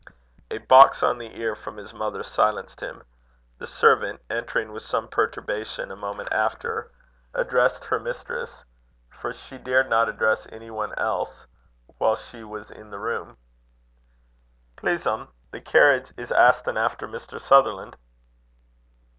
A box on the ear from his mother silenced him. The servant entering with some perturbation a moment after, addressed her mistress, for she dared not address any one else while she was in the room: "Please 'm, the carriage is astin' after Mr. Sutherland."